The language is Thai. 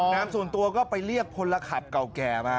ส่วนตัวก็ไปเรียกพลขับเก่าแก่มา